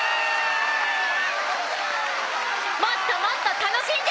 「もっともっと楽しんじゃおう！」